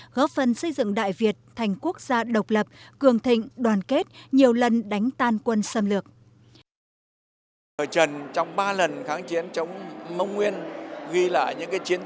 góp phần xây dựng đại việt thành quốc gia độc lập cường thịnh đoàn kết nhiều lần đánh tan quân xâm lược